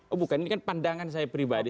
oh bukan ini kan pandangan saya pribadi